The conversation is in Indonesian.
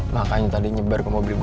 makanya tadi nyebar ke mobil mobil